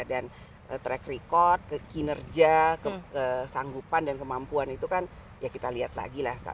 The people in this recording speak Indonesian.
dan track record kinerja kesanggupan dan kemampuan itu kan ya kita lihat lagi lah